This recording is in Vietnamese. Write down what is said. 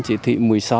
chỉ thị một mươi sáu